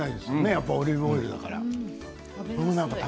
やっぱりオリーブオイルだから。